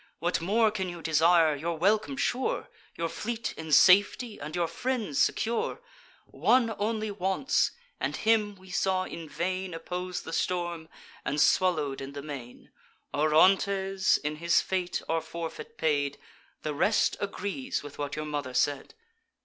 What more can you desire, your welcome sure, Your fleet in safety, and your friends secure? One only wants; and him we saw in vain Oppose the Storm, and swallow'd in the main. Orontes in his fate our forfeit paid; The rest agrees with what your mother said."